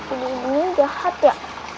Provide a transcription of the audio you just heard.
ibu gini jahat ya